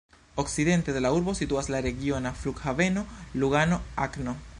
Okcidente de la urbo situas la regiona Flughaveno Lugano-Agno.